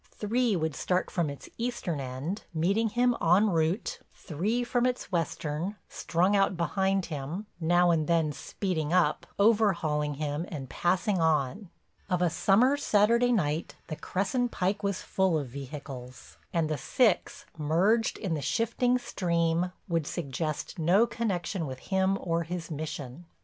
Three would start from its eastern end, meeting him en route, three from its western, strung out behind him, now and then speeding up, overhauling him and passing on. Of a summer's Saturday night the Cresson Pike was full of vehicles, and the six, merged in the shifting stream, would suggest no connection with him or his mission.